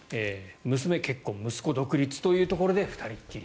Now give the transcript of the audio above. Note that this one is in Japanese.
娘は結婚息子は独立というところで２人っきり。